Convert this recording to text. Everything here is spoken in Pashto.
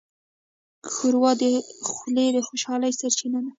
ښوروا د خولې د خوشحالۍ سرچینه ده.